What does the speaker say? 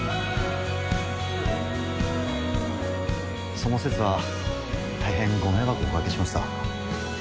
その節は大変ご迷惑をおかけしました。